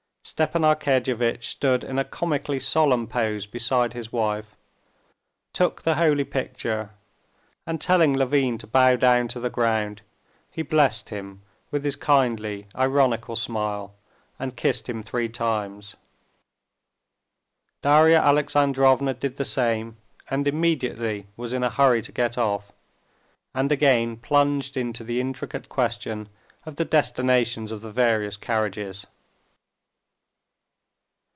Stepan Arkadyevitch stood in a comically solemn pose beside his wife, took the holy picture, and telling Levin to bow down to the ground, he blessed him with his kindly, ironical smile, and kissed him three times; Darya Alexandrovna did the same, and immediately was in a hurry to get off, and again plunged into the intricate question of the destinations of the various carriages.